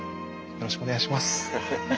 よろしくお願いします。